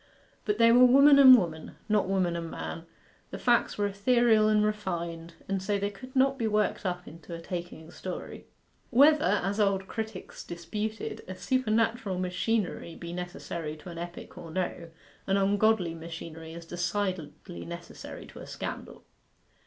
But they were woman and woman, not woman and man, the facts were ethereal and refined, and so they could not be worked up into a taking story. Whether, as old critics disputed, a supernatural machinery be necessary to an epic or no, an ungodly machinery is decidedly necessary to a scandal.